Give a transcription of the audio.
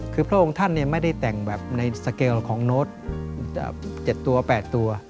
คือพระองค์ท่านไม่ได้แต่งแบบในสเกลของโน้ต๗ตัว๘ตัว